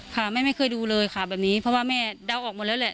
ค่ะแม่ไม่เคยดูเลยค่ะแบบนี้เพราะว่าแม่เดาออกมาแล้วแหละ